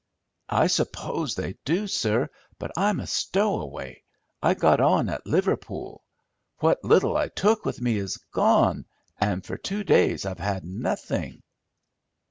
"I suppose they do, sir; but I'm a stowaway. I got on at Liverpool. What little I took with me is gone, and for two days I've had nothing."